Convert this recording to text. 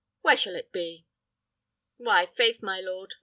Where shall it be?" "Why, faith, my lord!"